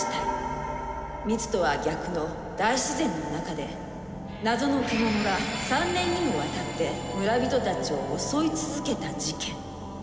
「密」とは逆の大自然の中で謎の獣が３年にもわたって村人たちを襲い続けた事件。